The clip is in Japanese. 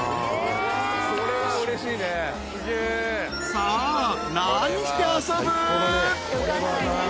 ［さあ何して遊ぶ？］